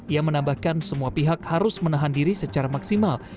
ia menambahkan semua pihak harus menahan diri secara maksimal